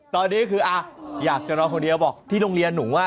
ตอนนี้คืออยากจะรอคนเดียวบอกที่โรงเรียนหนูว่า